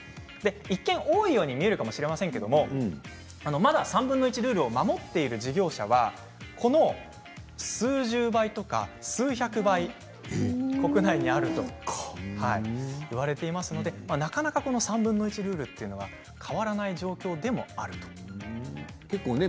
一見、多いように見えるかもしれませんがただ３分の１ルールを守っている事業者がこの数十倍とか数百倍国内にあるといわれていますのでなかなか３分の１ルールというのは変わらない状況でもあるんです。